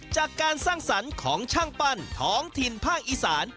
จากการสร้างสรรค์ของช่างปั้นท้องถิ่นภาคอีสาน